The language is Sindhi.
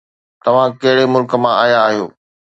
توهان ڪهڙي ملڪ مان آيا آهيو؟